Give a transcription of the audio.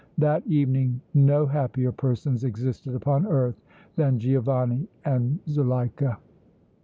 That evening no happier persons existed upon earth than Giovanni and Zuleika.